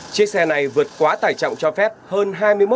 chiếc xe này vượt quá tải trọng cho phép hơn hai mươi một